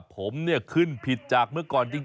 ผมเนี่ยขึ้นผิดจากเมื่อก่อนจริง